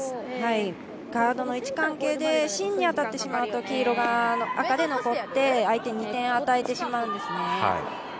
ガードの位置関係で芯に当たってしまうと黄色が残って相手に２点与えてしまうんですね。